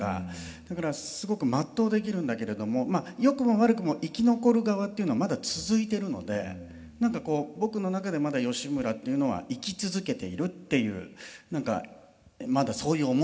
だからすごく全うできるんだけれどもよくも悪くも生き残る側っていうのはまだ続いてるので何かこう僕の中でまだ義村っていうのは生き続けているっていう何かまだそういう思いなんですよね。